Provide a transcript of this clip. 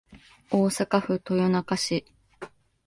大阪府豊中市